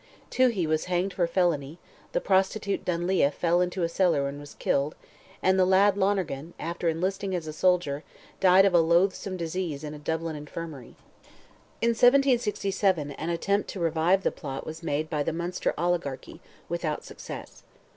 Toohey was hanged for felony, the prostitute Dunlea fell into a cellar and was killed, and the lad Lonergan, after enlisting as a soldier, died of a loathsome disease in a Dublin infirmary. In 1767, an attempt to revive the plot was made by the Munster oligarchy, without success.